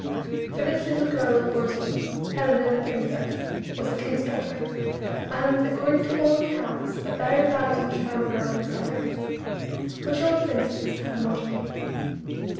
For this little girl of fourteen, Helena, the princess, was a king's daughter, and, according to all accounts, a very bright and charming girl besides which all princesses have not been.